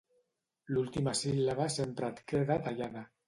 L'última síl•laba sempre et queda tallada